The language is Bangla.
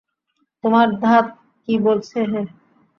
তোমার ধাত কী বলছে হে?